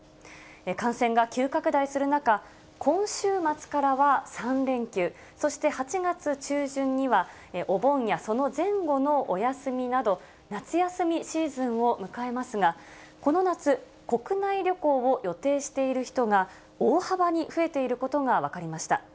感染が急拡大する中、今週末からは３連休、そして８月中旬にはお盆やその前後のお休みなど、夏休みシーズンを迎えますが、この夏、国内旅行を予定している人が大幅に増えていることが分かりました。